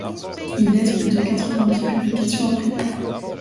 Il laisse plus de quatre-vingt dix publications imprimées.